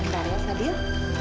bentar ya fadil